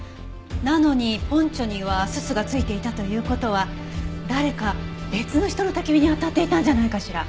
なのにポンチョにはすすが付いていたという事は誰か別の人の焚き火にあたっていたんじゃないかしら？